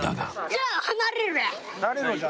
じゃあ離れろや！